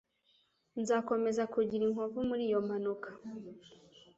Nzakomeza kugira inkovu muri iyo mpanuka.